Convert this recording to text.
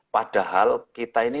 padahal kita ini